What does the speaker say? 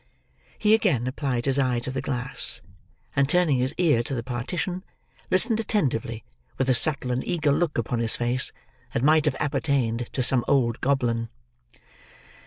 He again applied his eye to the glass, and turning his ear to the partition, listened attentively: with a subtle and eager look upon his face, that might have appertained to some old goblin.